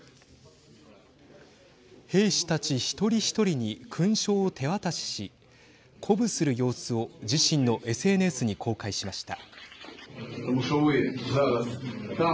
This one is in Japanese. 兵士たち一人一人に勲章を手渡しし鼓舞する様子を自身のＳＮＳに公開しました。